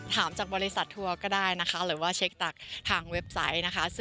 จากบริษัททัวร์ก็ได้นะคะหรือว่าเช็คจากทางเว็บไซต์นะคะ